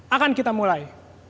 akan kita mulai